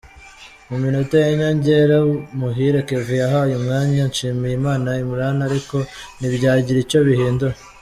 Mu minota y’inyongera, Muhire Kevin yahaye umwanya Nshimiyimana Imran ariko ntibyagira icyo bihindura.